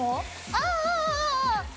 ああ。